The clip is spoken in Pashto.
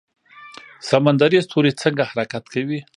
سمندري ستوری څنګه حرکت کوي؟